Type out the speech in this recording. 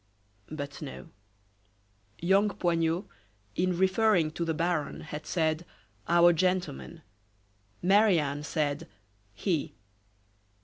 But no. Young Poignot, in referring to the baron had said: "our gentleman," Marie Anne said: "he."